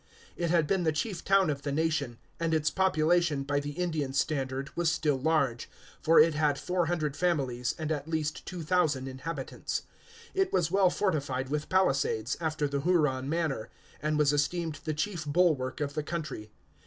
It had been the chief town of the nation, and its population, by the Indian standard, was still large; for it had four hundred families, and at least two thousand inhabitants. It was well fortified with palisades, after the Huron manner, and was esteemed the chief bulwark of the country.